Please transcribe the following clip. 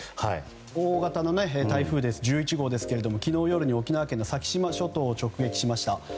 大型の台風１１号ですが昨日夜に沖縄県の先島諸島を直撃しました。